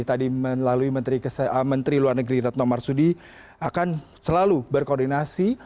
tadi melalui menteri luar negeri retno marsudi akan selalu berkoordinasi